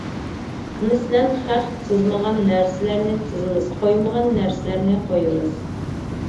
مەسىلەن، خەق تىزمىغان نەرسىلەرنى تىزىمىز، قويمىغان نەرسىلەرنى قويىمىز.